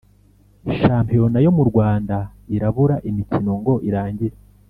Shampiyona yo mu Rwanda irabura imikino ngo irangire